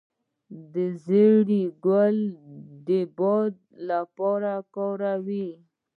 د زیرې ګل د باد لپاره وکاروئ